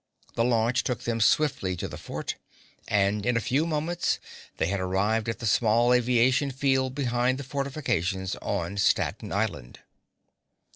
The launch took them swiftly to the fort, and in a few moments they had arrived at the small aviation field behind the fortifications on Staten Island.